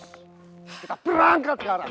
kita berangkat sekarang